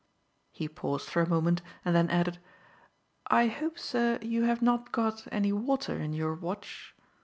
He paused for a moment and then added: "I hope, sir, you have not got any water into your watch."